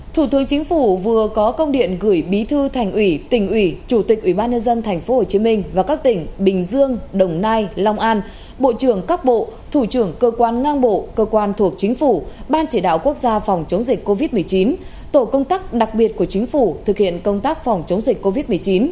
thủ tướng chính phủ vừa có công điện gửi bí thư thành ủy tỉnh ủy chủ tịch ubnd tp hcm và các tỉnh bình dương đồng nai long an bộ trưởng các bộ thủ trưởng cơ quan ngang bộ cơ quan thuộc chính phủ ban chỉ đạo quốc gia phòng chống dịch covid một mươi chín tổ công tác đặc biệt của chính phủ thực hiện công tác phòng chống dịch covid một mươi chín